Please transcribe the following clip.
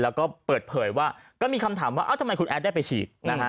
แล้วก็เปิดเผยว่าก็มีคำถามว่าเอ้าทำไมคุณแอดได้ไปฉีดนะฮะ